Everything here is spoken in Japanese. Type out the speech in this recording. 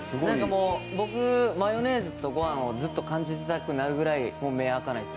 僕、マヨネーズとご飯とずっと感じてたくなるぐらい目あかないです。